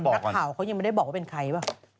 นักข่าวเขายังไม่ได้บอกว่าเป็นใครป่ะ